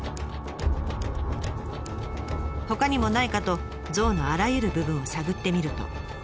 ほかにもないかと像のあらゆる部分を探ってみると。